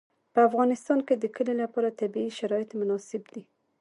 په افغانستان کې د کلي لپاره طبیعي شرایط مناسب دي.